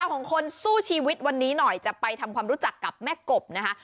ของคนสู้ชีวิตวันนี้หน่อยจะไปทำความรู้จักกับแม่กบนะคะ